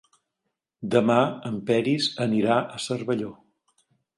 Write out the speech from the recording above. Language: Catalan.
Demà en Peris anirà a Cervelló.